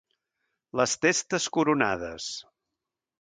Les testes coronades.